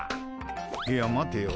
いや待てよ？